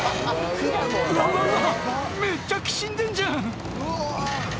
めっちゃきしんでんじゃん！